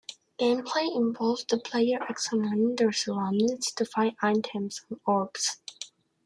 Gameplay involves the player examining their surroundings to find items and orbs.